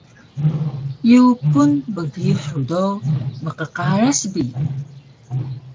Yupun bgihur do mqqaras bi